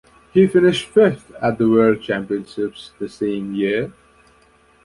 He finished fifth at the World Championships the same year.